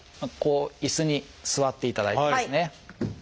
椅子に座っていただいてですね。